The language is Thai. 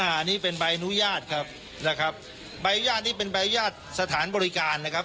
อันนี้เป็นใบอนุญาตครับนะครับใบอนุญาตนี้เป็นใบญาติสถานบริการนะครับ